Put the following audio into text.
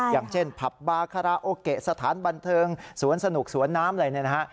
อย่างเช่นผับบาคาราโอเกะสถานบันเทิงสวนสนุกสวนน้ำอะไรเนี่ยนะฮะ